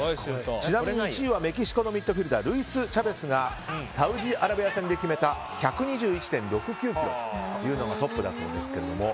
ちなみに１位はメキシコのミッドフィールダールイス・チャベスがサウジアラビア戦で決めた１２１．６９キロというのがトップだそうですが。